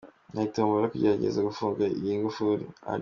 Hari tombola yo kugerageza gufungura iyi ngufuri.